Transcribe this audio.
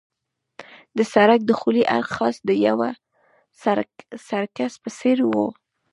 د سړک دخولي اړخ خاص د یوه سرکس په څېر وو.